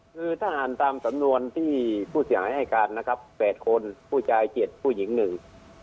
คือถ้าอ่านตามสำนวนที่ผู้เสียหายให้การนะครับแปดคนผู้ชายเจ็ดผู้หญิงหนึ่ง